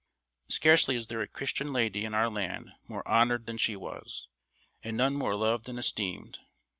Scarcely is there a Christian lady in our land more honoured than she was, and none more loved and esteemed.